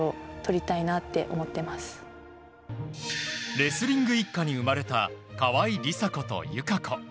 レスリング一家に生まれた川井梨紗子と友香子。